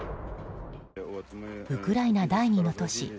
ウクライナ第２の都市